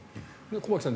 駒木さん